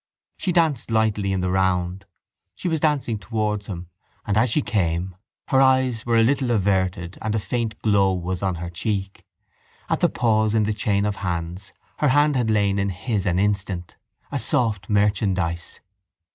She danced lightly in the round. She was dancing towards him and, as she came, her eyes were a little averted and a faint glow was on her cheek. At the pause in the chain of hands her hand had lain in his an instant, a soft merchandise.